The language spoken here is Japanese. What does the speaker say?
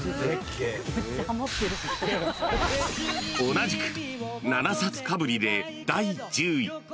［同じく７冊かぶりで第１０位］